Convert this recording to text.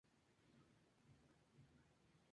Se encuentra en prados secos de ganado.